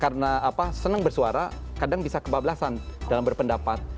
karena apa senang bersuara kadang bisa kebablasan dalam berpendapat